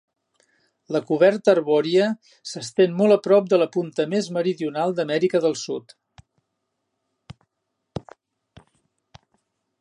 La coberta arbòria s'estén molt a prop de la punta més meridional d'Amèrica del Sud.